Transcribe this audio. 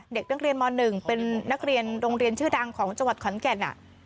เด็กนักเรียนม๑เป็นนักเรียนโรงเรียนชื่อดังของจังหวัดขอนแก่น